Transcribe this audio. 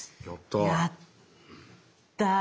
やったぁ。